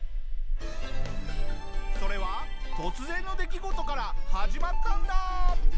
それは突然の出来事から始まったんだ！